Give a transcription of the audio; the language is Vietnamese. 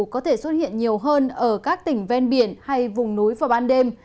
có thể xuất hiện nhiều hơn ở các tỉnh ven biển hay vùng núi vào ban đêm